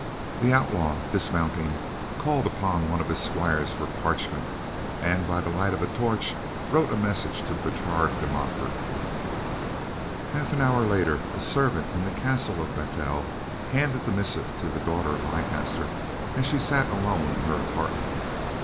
The outlaw, dismounting, called upon one of his squires for parchment, and, by the light of a torch, wrote a message to Bertrade de Montfort. Half an hour later, a servant in the castle of Battel handed the missive to the daughter of Leicester as she sat alone in her apartment.